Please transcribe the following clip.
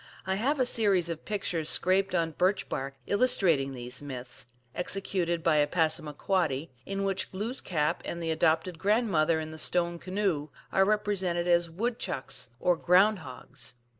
I have a series of pictures scraped on birch bark illustrating these myths, executed by a Passamaquoddy, in which Glooskap and the adopted grandmother in the stone canoe are represented as wood chucks, or ground hogs.